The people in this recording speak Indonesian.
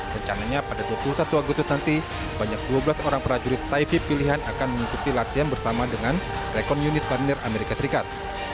rencananya pada dua puluh satu agustus nanti banyak dua belas orang prajurit taifi pilihan akan mengikuti latihan bersama dengan rekon unit marinir amerika serikat